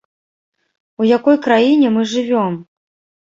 У якой краіне мы жывём?